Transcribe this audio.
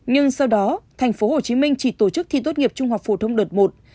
nhưng sau đó tp hcm chỉ tổ chức thi tốt nghiệp trung học phổ thông đợt một